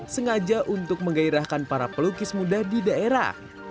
sengaja untuk menggairahkan para pelukis muda di daerah